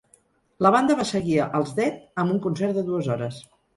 La banda va seguir als Dead amb un concert de dues hores.